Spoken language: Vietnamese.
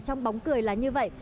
và trong bóng cười là như vậy